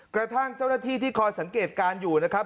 กระทั่งเจ้าหน้าที่ที่คอยสังเกตการณ์อยู่นะครับ